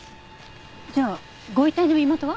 じゃあご遺体の身元は？